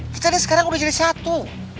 kita ini sekarang udah jadi satu